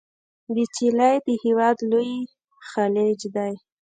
د چیلي د هیواد لوی خلیج دی.